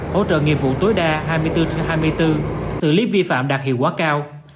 hỗ trợ nghiệp vụ tối đa hai mươi bốn trên hai mươi bốn xử lý vi phạm đạt hiệu quả cao